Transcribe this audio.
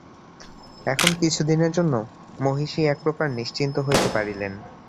এখন কিছু দিনের জন্য মহিষী একপ্রকার নিশ্চিন্ত হইতে পারিলেন।